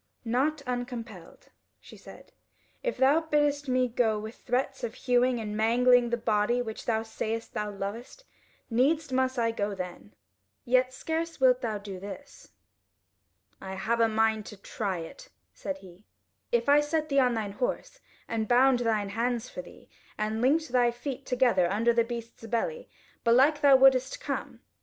"Not uncompelled," she said: "if thou biddest me go with threats of hewing and mangling the body which thou sayest thou lovest, needs must I go then. Yet scarce wilt thou do this." "I have a mind to try it," said he; "If I set thee on thine horse and bound thine hands for thee, and linked thy feet together under the beast's belly; belike thou wouldest come.